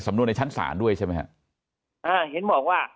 นวนในชั้นศาลด้วยใช่ไหมฮะอ่าเห็นบอกว่า